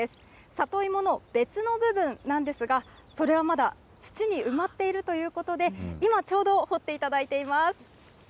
里芋の別の部分なんですが、それはまだ土に埋まっているということで、今ちょうど掘っていただいています。